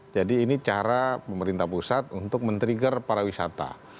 jadi ini cara pemerintah pusat untuk men trigger para wisata